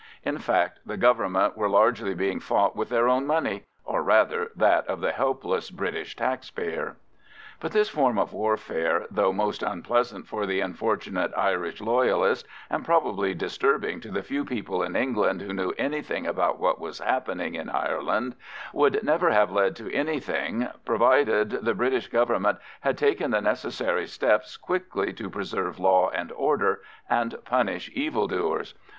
In fact, the Government were largely being fought with their own money, or, rather, that of the helpless British taxpayer. But this form of warfare, though most unpleasant for the unfortunate Irish Loyalist, and probably disturbing to the few people in England who knew anything about what was happening in Ireland, would never have led to anything provided the British Government had taken the necessary steps quickly to preserve law and order and punish evil doers.